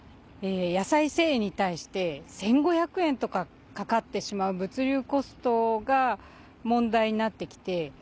野菜１０００円に対して１５００円とかかかってしまう物流コストが問題になってきて。